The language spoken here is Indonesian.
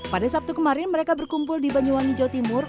pada sabtu kemarin mereka berkumpul di banyuwangi jawa timur